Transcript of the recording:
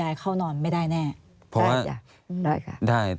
อันดับ๖๓๕จัดใช้วิจิตร